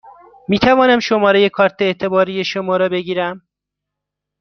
می توانم شماره کارت اعتباری شما را بگیرم؟